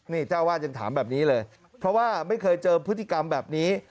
นี่เจ้าวาดยังถามแบบนี้เลยเพราะว่าไม่เคยเจอพฤติกรรมแบบนี้